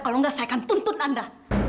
kalau enggak saya akan tuntun anda